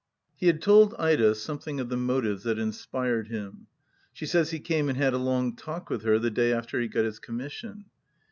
He had told Ida something of the motives that inspired him. She says he came and had a long talk with her the day after he got his commission.